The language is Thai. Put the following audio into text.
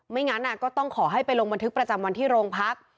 งั้นก็ต้องขอให้ไปลงบันทึกประจำวันที่โรงพัก